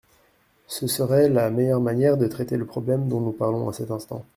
Ce serait la meilleure manière de traiter le problème dont nous parlons à cet instant.